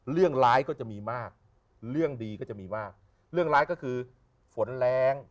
เรื่องร้ายก็จะมีมากเรื่องดีก็จะมีมากเรื่องร้ายก็คือฝนแรง